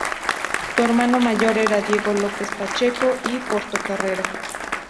Su hermano mayor era Diego López Pacheco y Portocarrero.